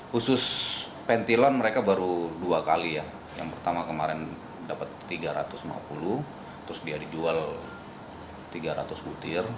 khusus pentilan mereka baru dua kali ya yang pertama kemarin dapat tiga ratus lima puluh terus dia dijual tiga ratus butir